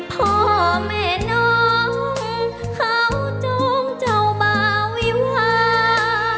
พ่อแม่น้องเขาจงเจ้าบ่าวิวา